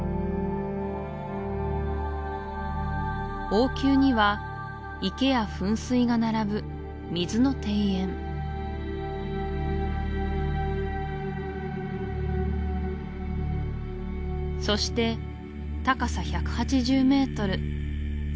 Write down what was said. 王宮には池や噴水が並ぶ水の庭園そして高さ１８０メートル